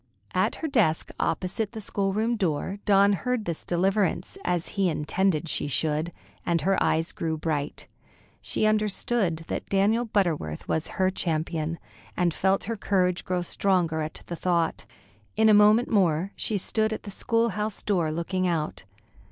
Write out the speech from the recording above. At her desk opposite the schoolroom door, Dawn heard this deliverance, as he intended she should, and her eyes grew bright. She understood that Daniel Butterworth was her champion, and felt her courage grow stronger at the thought. In a moment more she stood at the school house door, looking out.